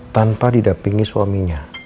tanpa didapingi suaminya